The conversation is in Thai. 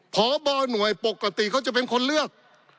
พบหน่วยปกติเขาจะเป็นคนเลือก